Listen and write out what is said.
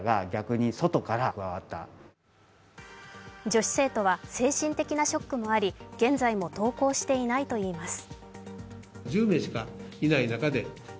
女子生徒は精神的なショックもあり現在も登校していないといいます。